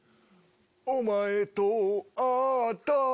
お前と会った